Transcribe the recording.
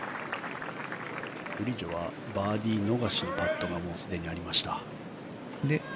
グリジョはバーディー逃しのパットがもうすでにありました。